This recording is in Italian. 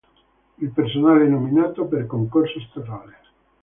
Il personale è nominato per concorso statale.